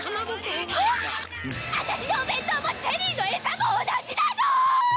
あたしのお弁当もチェリーの餌も同じなの！？